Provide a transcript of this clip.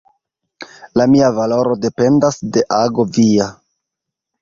La mia valoro dependas de ago via.